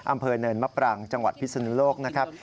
อำเภอเนินมะปรางจังหวัดพิศนุโลกนะครับ